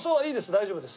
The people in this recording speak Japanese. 大丈夫です。